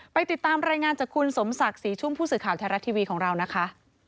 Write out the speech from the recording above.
ไปติดตามรายงานจากคุณสมศักดิ์ศรีชุ่มผู้สื่อข่าวไทยรัฐทีวีของเรานะคะ